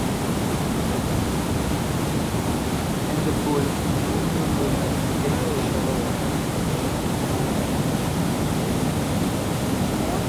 In the pool two nude women play in the shallow water.